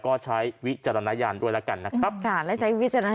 ก็ใช้วิจารณญาณด้วยแล้วกันนะครับค่ะและใช้วิจารณ